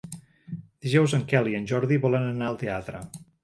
Dijous en Quel i en Jordi volen anar al teatre.